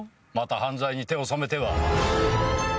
また犯罪に手を染めては。